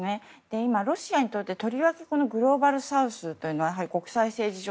今、ロシアにとってとりわけグローバルサウスは国際政治上